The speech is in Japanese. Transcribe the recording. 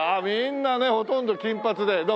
みんなねほとんど金髪で。